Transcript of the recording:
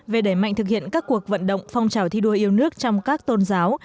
về đẩy mạnh thực hiện các cuộc vận động phong trào thi đua yêu nước trong các tôn giáo